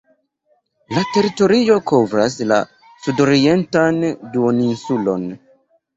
La teritorio kovras la sudorientan duoninsulon.